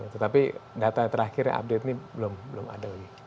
tetapi data terakhirnya update ini belum ada lagi